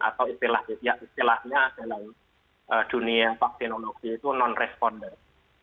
atau istilahnya dalam dunia vaksinologi itu non responder